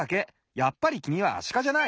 やっぱりきみはアシカじゃない。